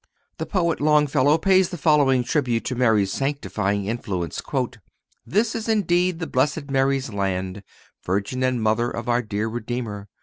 The poet Longfellow pays the following tribute to Mary's sanctifying influence: "This is indeed the blessed Mary's land, Virgin and mother of our dear Redeemer!